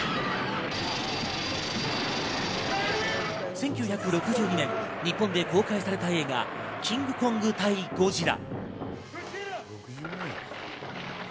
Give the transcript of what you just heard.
１９６２年日本で公開された映画『キングコング対ゴジラ』。